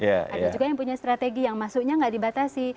ada juga yang punya strategi yang masuknya nggak dibatasi